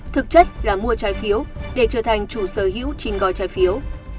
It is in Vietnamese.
thực chất là mua trái phiếu để trở thành chủ sở hữu chín gói trái phiếu